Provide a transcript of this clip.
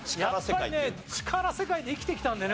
やっぱりね力世界で生きてきたんでね